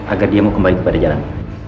agar dia mau kembali kepada jalan